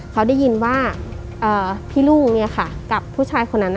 เขาได้ยินว่าพี่ลูกกับผู้ชายคนนั้น